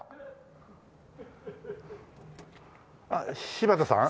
柴田さん？